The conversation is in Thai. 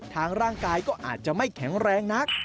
ร่างกายก็อาจจะไม่แข็งแรงนัก